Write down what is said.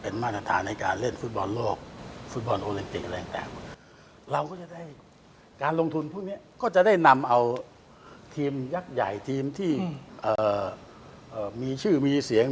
นำเอาทีมยักษ์ใหญ่ทีมที่มีชื่อมีเสียง